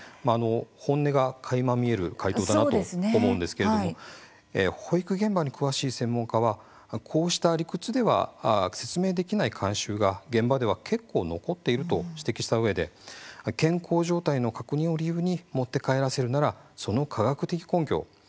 本音がかいま見える回答だなと思うんですけれども保育現場に詳しい専門家はこうした理屈では説明できない慣習が現場では結構残っていると指摘したうえで健康状態の確認を理由に持って帰らせるならその科学的根拠を。